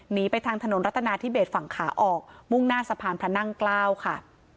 หนีไปทางถนนรัฐนาธิเบสฝั่งขาออกมุ่งหน้าสะพานพระนั่งเกล้าค่ะ